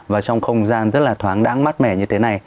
và trong không gian rất là thoáng đáng mát mẻ như thế này